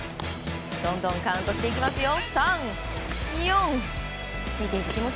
どんどんカウントしていきますよ。